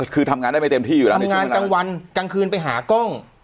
คือทำงานได้ไม่เต็มที่อยู่แล้วในงานกลางวันกลางคืนไปหากล้อง